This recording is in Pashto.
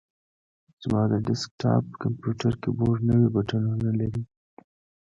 زما د ډیسک ټاپ کمپیوټر کیبورډ نوي بټنونه لري.